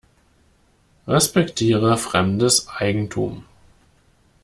Respektiere fremdes Eigentum.